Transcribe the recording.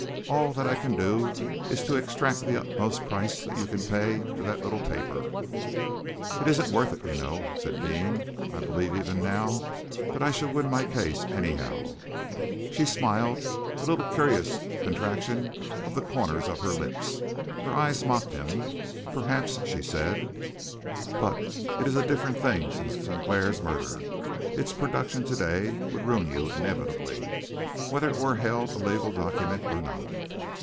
All that I can do is to exact the utmost price that you can pay for that little paper." "It isn't worth it, you know," said Deane. "I believe, even now, that I should win my case, anyhow." She smiled a curious little contraction of the corners of her lips. Her eyes mocked him. "Perhaps," she said, "but it is a different thing since Sinclair's murder. Its production to day would ruin you inevitably, whether it were held a legal document or not."